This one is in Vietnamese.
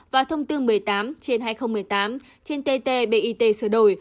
và thông tư một mươi tám trên hai nghìn một mươi tám trên tt bit sửa đổi